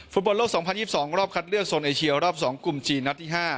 ฟุตบอลโลก๒๐๒๒รอบคัดเลือกโซนเอเชียรอบ๒กลุ่มจีนนัดที่๕